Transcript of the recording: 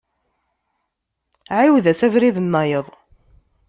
Ɛiwed-as abrid-nnayeḍ.